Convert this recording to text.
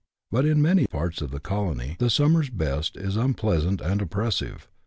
But in many parts of the colony the summer's heat is unpleasant and oppressive.